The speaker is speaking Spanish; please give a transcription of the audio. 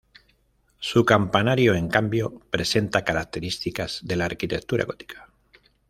Su campanario, en cambio, presenta características de la arquitectura gótica.